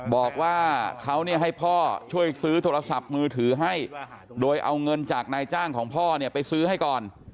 บอกว่าเขาเนี่ยให้พ่อช่วยซื้อโทรศัพท์มือถือให้โดยเอาเงินจากนายจ้างของพ่อเนี่ยไปซื้อให้ก่อน